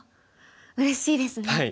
ああうれしいですね。